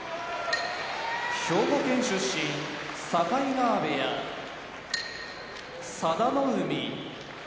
兵庫県出身境川部屋佐田の海